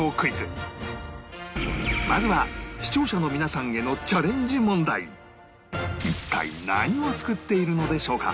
まずは視聴者の皆さんへの一体何を作っているのでしょうか？